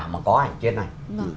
mà có ảnh trên này